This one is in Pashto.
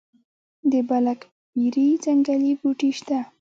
د بلک بیري ځنګلي بوټي شته؟